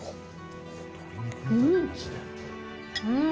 うん！